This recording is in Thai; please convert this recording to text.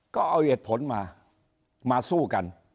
ก็เอาเหตุผลมามาสู้กัน